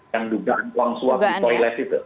yang dugaan uang suap di toilet itu